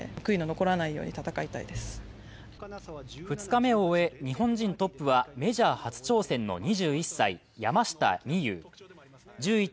２日目を終え、日本人トップはメジャー初挑戦の２１歳、山下美夢有１０位